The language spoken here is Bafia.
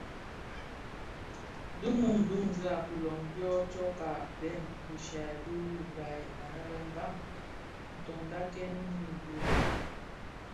Di mum duňzi a kiloň dyo tsokka bèn dhishya di ribaï anë lè Mbam ntondakèn mii gene.